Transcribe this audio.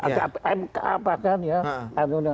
ada mk bahkan ya